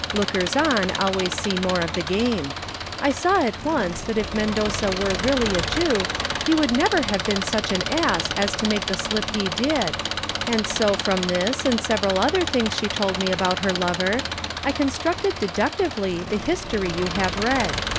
Lookers on always see more of the game. I saw at once that if Mendoza were really a Jew, he would never have been such an ass as to make the slip he did; and so from this and several other things she told me about her lover, I constructed deductively the history you have read.